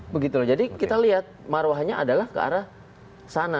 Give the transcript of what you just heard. begitu loh jadi kita lihat marwahnya adalah ke arah sana